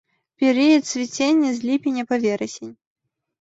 Перыяд цвіцення з ліпеня па верасень.